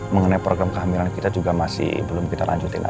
mengenai program kehamilan kita juga masih belum kita lanjutin lah